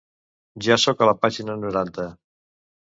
Ja soc a la pàgina noranta.